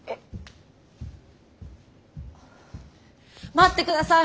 待ってください。